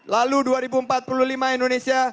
lalu dua ribu empat puluh lima indonesia